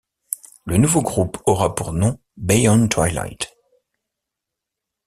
Le nouveau groupe aura pour nom Beyond Twilight.